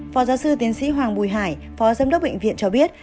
phó giáo sư tiến sĩ hoàng bùi hải phó giám đốc bệnh viện cho biết